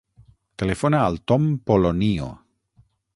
Telefona al Tom Polonio.